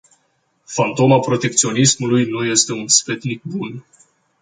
Fantoma protecționismului nu este un sfetnic bun!